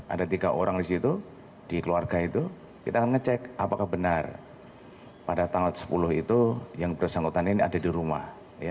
ada tiga orang di situ di keluarga itu kita akan ngecek apakah benar pada tanggal sepuluh itu yang bersangkutan ini ada di rumah